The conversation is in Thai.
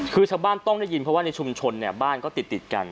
คือชาวบ้านต้องได้ยินเพราะว่าในชุมชนเนี่ยบ้านก็ติดกัน